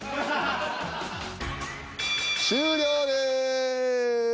終了です。